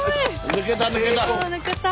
抜けた抜けた。